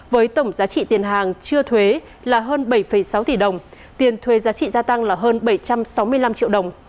với tổng giá trị tiền hàng chưa thuế là hơn bảy sáu tỷ đồng tiền thuê giá trị gia tăng là hơn bảy trăm sáu mươi năm triệu đồng